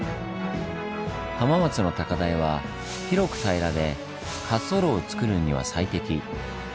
浜松の高台は広く平らで滑走路をつくるには最適。